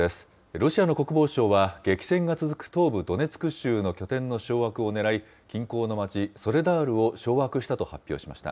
ロシアの国防省は激戦が続く東部ドネツク州の拠点の掌握をねらい、近郊の町、ソレダールを掌握したと発表しました。